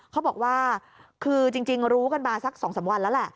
เขาบอกว่าคือจริงรู้กันมาสัก๒๓วันแล้วแหละ